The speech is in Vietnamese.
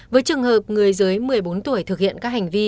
với trường hợp người dưới một mươi bốn tuổi thực hiện các hành vi